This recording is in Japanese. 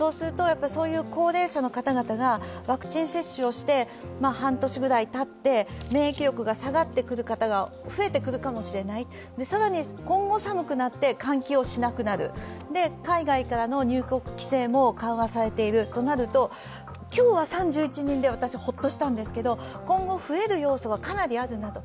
高齢者の方々が、ワクチン接種をして、半年ぐらいたって免疫力が下がってくる方が増えてくるかもしれない、更に今後寒くなって換気をしなくなる海外からの入国規制も緩和されているとなると今日は３１人で私、ホッとしたんですけど、今後増える要素はかなりあるなと。